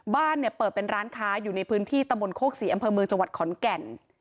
บ้านเนี่ยเปิดเป็นร้านค้าอยู่ในพื้นที่ตำบลโคกศรีอำเภอเมืองจังหวัดขอนแก่น